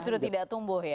justru tidak tumbuh ya